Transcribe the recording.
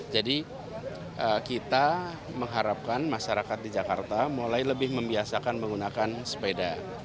jadi kita mengharapkan masyarakat di jakarta mulai lebih membiasakan menggunakan sepeda